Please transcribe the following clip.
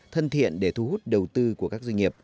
thân thiện để thu hút đầu tư của các doanh nghiệp